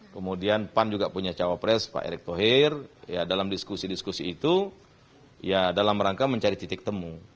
kemudian pan juga punya cawapres pak erick thohir dalam diskusi diskusi itu ya dalam rangka mencari titik temu